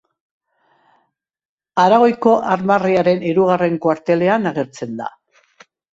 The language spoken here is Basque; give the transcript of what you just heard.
Aragoiko armarriaren hirugarren kuartelean agertzen da.